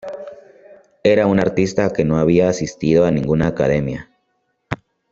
Era un artista que no había asistido a ninguna academia.